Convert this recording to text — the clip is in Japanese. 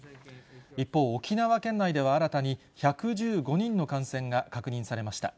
一方、沖縄県内では新たに１１５人の感染が確認されました。